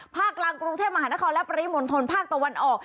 กลางกรุงเทพมหานครและปริมณฑลภาคตะวันออก